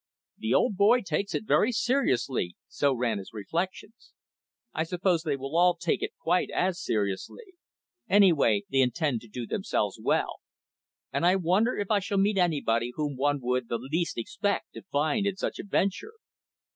"The old boy takes it very seriously," so ran his reflections. "I suppose they will all take it quite as seriously. Anyway, they intend to do themselves well. I wonder where the money comes from? And I further wonder if I shall meet anybody whom one would the least expect to find in such a venture."